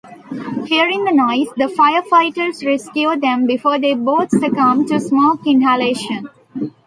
Hearing the noise, the firefighters rescue them before they both succumb to smoke inhalation.